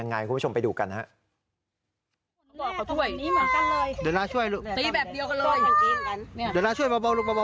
เดี๋ยวน้าช่วยเบาลูกเบา